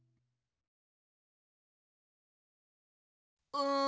うん。